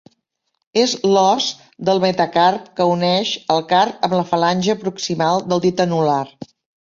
És l'os del metacarp que uneix el carp amb la falange proximal del dit anular.